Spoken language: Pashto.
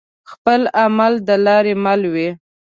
خپل عمل دلاري مل وي